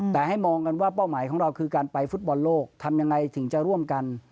แต่ให้มองกันว่าเป้าหมายของเราคือการไปฟุตบอลโลกทำยังไงถึงจะร่วมกัน